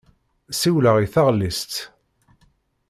Siwleɣ i taɣellist.